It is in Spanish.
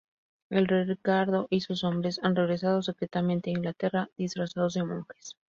El rey Ricardo y sus hombres han regresado secretamente a Inglaterra, disfrazados de monjes.